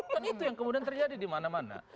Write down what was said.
kan itu yang kemudian terjadi dimana mana